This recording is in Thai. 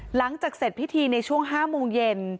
หลังจากเสร็จพิธีในช่วง๕โมงเย็น